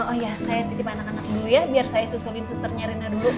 oh iya saya titip anak anak dulu ya biar saya susulin susternya reina dulu